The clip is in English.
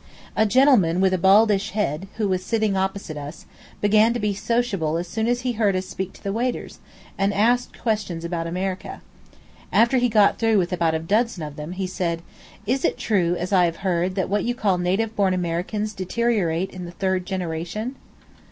A gentleman with a baldish head, who was sitting opposite us, began to be sociable as soon as he heard us speak to the waiters, and asked questions about America. After he got through with about a dozen of them he said: "Is it true, as I have heard, that what you call native born Americans deteriorate in the third generation?"